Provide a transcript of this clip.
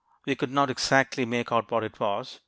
We could not exactly make out what it was.